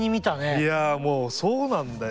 いやもうそうなんだよ。